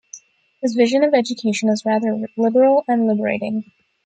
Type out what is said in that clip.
His vision of education is rather liberal and liberating.